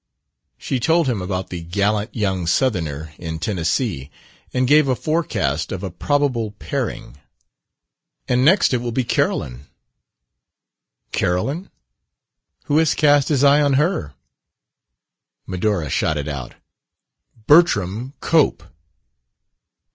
She told him about the gallant young Southerner in Tennessee, and gave a forecast of a probable pairing. "And next it will be Carolyn." "Carolyn? Who has cast his eye on her?" Medora shot it out. "Bertram Cope!"